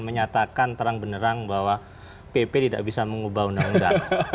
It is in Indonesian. menyatakan terang benerang bahwa pp tidak bisa mengubah undang undang